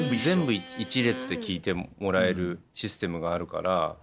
全部一列で聴いてもらえるシステムがあるから。